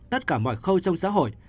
tất cả mọi khâu trong xã hội